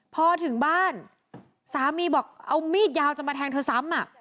พอถึงบ้านสามีบอกเอามีดยาวจะมาแทงเธอซ้ำ